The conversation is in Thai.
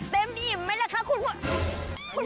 เต็มอิ่มไหมแหละคะคุณผู้ชม